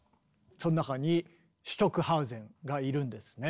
その中にシュトックハウゼンがいるんですね。